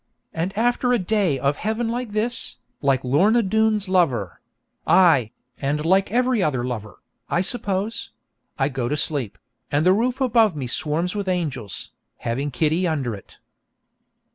And after a day of heaven like this, like Lorna Doone's lover ay, and like every other lover, I suppose I go to sleep, and the roof above me swarms with angels, having Kitty under it.